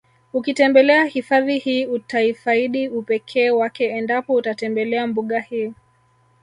Ukitembelea hifadhi hii utaifadi upekee wake endapo utatembelea mbuga hii